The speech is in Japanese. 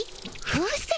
風船？